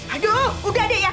aduh udah deh ya